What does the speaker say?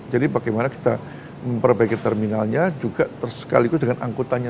jadi bagaimana kita memperbaiki terminalnya juga tersekaliku dengan angkutannya